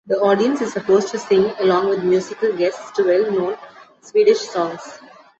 The audience is supposed to sing-along with musical guests to well-known Swedish songs.